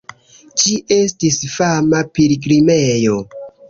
Ĝi estis fama pilgrimejo.